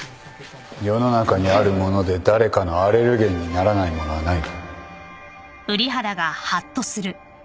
世の中にあるもので誰かのアレルゲンにならないものはない